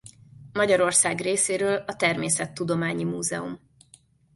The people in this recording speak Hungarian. Magyarország részéről a Természettudományi Múzeum.